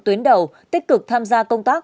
tuyến đầu tích cực tham gia công tác